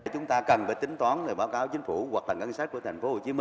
chúng ta cần phải tính toán báo cáo chính phủ hoặc thành cân sách của tp hcm